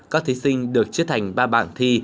các thí sinh được chia thành ba bảng thi